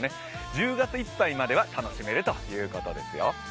１０月いっぱいまでは楽しめるということですよ